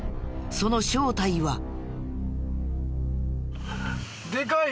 その正体は？